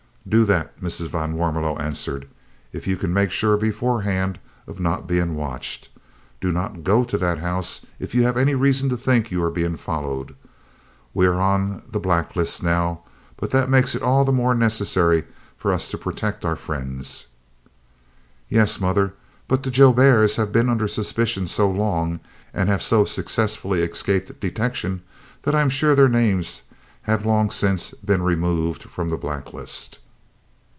"Do that," Mrs. van Warmelo answered, "if you can make sure beforehand of not being watched. Don't go to that house if you have any reason to think you are being followed. We are on the black list now, but that makes it all the more necessary for us to protect our friends." "Yes, mother; but the Jouberts have been under suspicion so long and have so successfully escaped detection that I am sure their names have long since been removed from the black list."